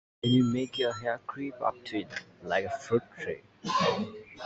Then you make your hair creep up it, like a fruit-tree.